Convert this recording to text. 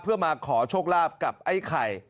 เพื่อมาขอโชคลาภกับไอ้ไข่